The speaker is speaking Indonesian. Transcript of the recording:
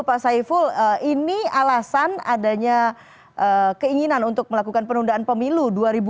pak saiful ini alasan adanya keinginan untuk melakukan penundaan pemilu dua ribu dua puluh